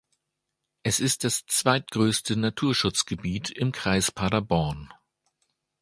Es ist das zweitgrößte Naturschutzgebiet im Kreis Paderborn.